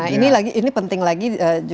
nah ini penting lagi